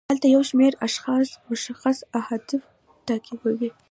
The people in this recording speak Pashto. هلته یو شمیر اشخاص مشخص اهداف تعقیبوي.